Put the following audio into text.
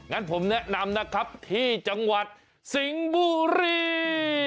งั้นผมแนะนำนะครับที่จังหวัดสิงห์บุรี